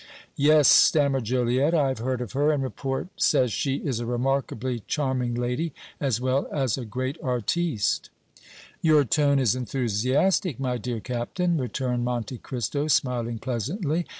"Yes," stammered Joliette, "I have heard of her, and report says she is a remarkably charming lady as well as a great artiste." "Your tone is enthusiastic, my dear Captain," returned Monte Cristo, smiling pleasantly.